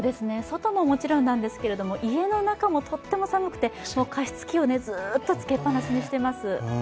外ももちろんですが家の中もとっても寒くてもう加湿器をずっとつけっぱなしにしています。